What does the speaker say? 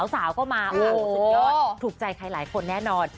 สาวก็มาโอ้โหสุดยอดถูกใจใครหลายคนแน่นอน